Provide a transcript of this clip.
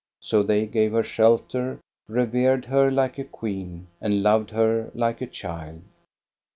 So they gave her shelter, revered her like a queen, and loved her like a child.